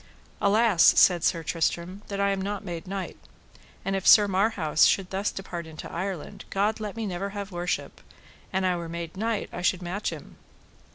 Alas, said Sir Tristram, that I am not made knight; and if Sir Marhaus should thus depart into Ireland, God let me never have worship: an I were made knight I should match him.